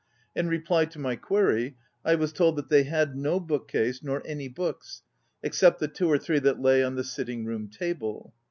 In reply to my query, I was told that they had no book case, nor any books, except the two or three that lay on the sitting room table.